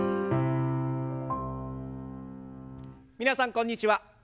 皆さんこんにちは。